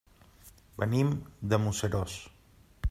Venim de Museros.